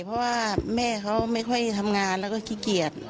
เพราะว่าแม่เขาไม่ค่อยทำงานแล้วก็ขี้เกียจ